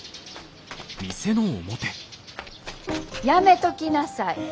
やめときなさい。